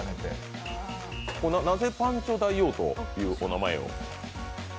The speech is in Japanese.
なぜパンチョ大王というお名前を？